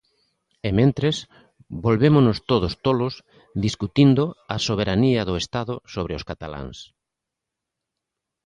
E mentres volvémonos todos tolos discutindo a soberanía do Estado sobre os cataláns.